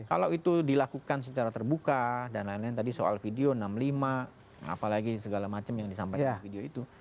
kalau itu dilakukan secara terbuka dan lain lain tadi soal video enam puluh lima apalagi segala macam yang disampaikan di video itu